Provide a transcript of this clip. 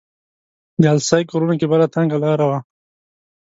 د السیق غرونو کې بله تنګه لاره وه.